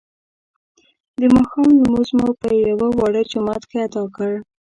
د ماښام لمونځ مو په یوه واړه جومات کې ادا کړ.